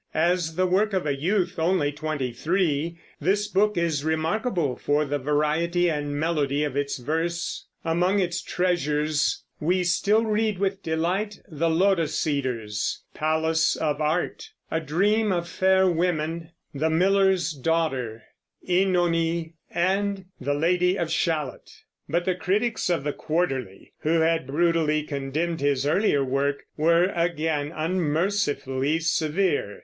As the work of a youth only twenty three, this book is remarkable for the variety and melody of its verse. Among its treasures we still read with delight "The Lotos Eaters," "Palace of Art," "A Dream of Fair Women," "The Miller's Daughter," "Oenone," and "The Lady of Shalott"; but the critics of the Quarterly, who had brutally condemned his earlier work, were again unmercifully severe.